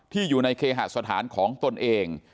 อยู่ในเคหสถานของตนเอง